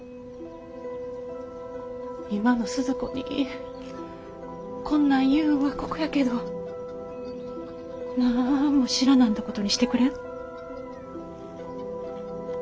今のスズ子にこんなん言うんは酷やけどなんも知らなんだことにしてくれん？